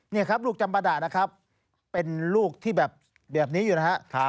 นี่ครับลูกจำประดานะครับเป็นลูกที่แบบแบบนี้อยู่นะครับ